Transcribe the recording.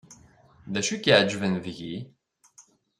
D acu i k-iɛejben deg-i?